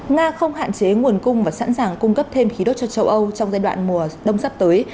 nga không hạn chế nguồn cung và sẵn sàng cung cấp thêm khí đốt cho châu âu trong giai đoạn mùa đông sắp tới